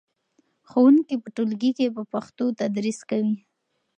ښوونکي په ټولګي کې په پښتو تدریس کوي.